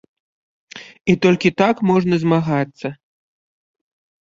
І толькі так можна змагацца.